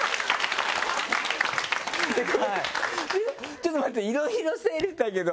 これちょっと待っていろいろ整理したけど。